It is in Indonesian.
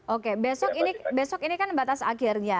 oke besok ini kan batas akhirnya